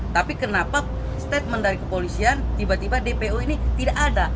tapi kenapa statement dari kepolisian tiba tiba dpo ini tidak ada